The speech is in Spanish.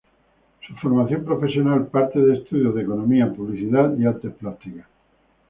Su formación profesional parte de estudios de economía, publicidad y artes plásticas.